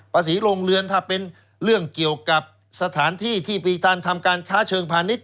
ภาษีโรงเรือนถ้าเป็นเรื่องเกี่ยวกับุญฐานพันธุ์การทำงานค้าเชิงพาณิชย์